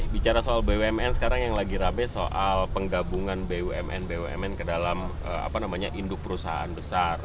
bicara soal bumn sekarang yang lagi rame soal penggabungan bumn bumn ke dalam induk perusahaan besar